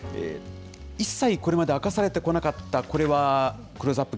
一切これまで明かされてこなかった、これはクローズアップ